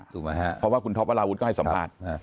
ถูกไหมฮะเพราะว่าคุณท็อปวัลลาวุธก็ให้สัมภาษณ์